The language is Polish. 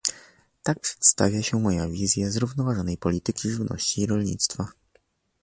Tak przedstawia się moja wizja zrównoważonej polityki żywności i rolnictwa